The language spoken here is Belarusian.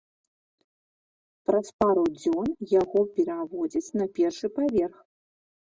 Праз пару дзён яго пераводзяць на першы паверх.